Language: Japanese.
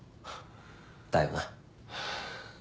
だよな。